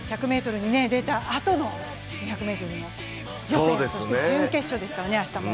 １００ｍに出たあとの予選そして明日も準決勝ですからね。